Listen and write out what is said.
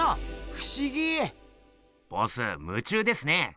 ふしぎ！ボス夢中ですね。